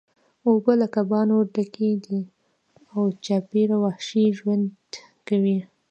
اوبه له کبانو ډکې دي او چاپیره وحشي ژوند دی